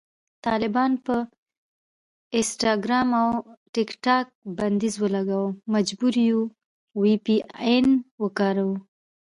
طالبانو په انسټاګرام او ټیکټاک بندیز ولګاوو، مجبور یو وي پي این وکاروو